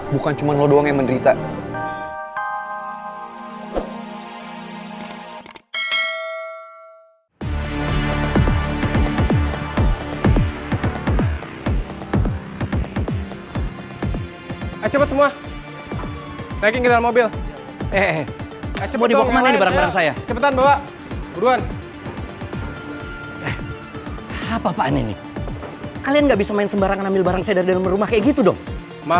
bukan cuma lo doang yang menderita